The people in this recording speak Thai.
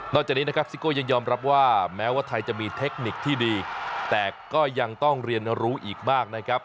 จากนี้นะครับซิโก้ยังยอมรับว่าแม้ว่าไทยจะมีเทคนิคที่ดีแต่ก็ยังต้องเรียนรู้อีกมากนะครับ